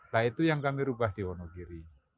nah itu yang kami ubah di wonogiri